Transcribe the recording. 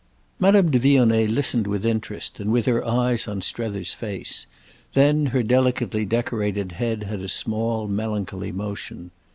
Madame de Vionnet listened with interest and with her eyes on Strether's face; then her delicately decorated head had a small melancholy motion.